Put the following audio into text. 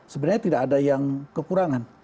sebenarnya tidak ada yang kekurangan